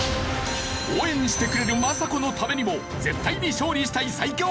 応援してくれる政子のためにも絶対に勝利したい最強！